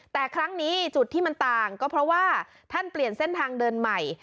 แต่ครั้งนี้จุดที่มันต่างก็เพราะว่าท่านเปลี่ยนเส้นทางเดินใหม่